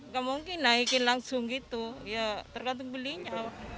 gak mungkin naikin langsung gitu ya tergantung belinya